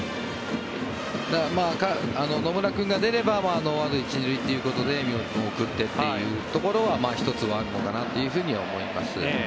野村君が出れば一巡というところで三森が送ってというところは１つ、あるのかなとは思います。